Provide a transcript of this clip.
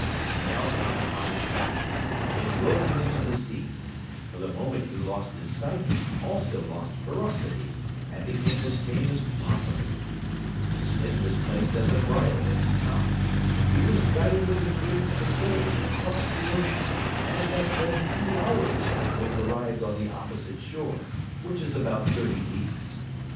He now got upon his back, and drove him into the sea; for the moment he lost his sight he lost also ferocity, and became as tame as possible: the sling was placed as a bridle in his mouth; he was guided with the greatest facility across the ocean, and in less than three hours they both arrived on the opposite shore, which is about thirty leagues.